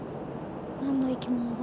何の生き物だ？